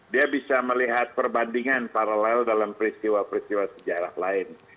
dia bisa melihat perbandingan paralel dalam peristiwa peristiwa sejarah lain